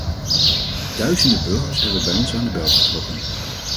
Duizenden burgers hebben bij ons aan de bel getrokken.